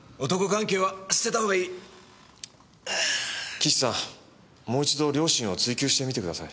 岸さんもう一度両親を追及してみてください。